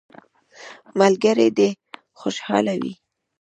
ملګري دي خوشحاله وي.